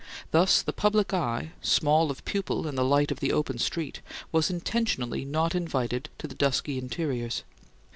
Thus the public eye, small of pupil in the light of the open street, was intentionally not invited to the dusky interiors.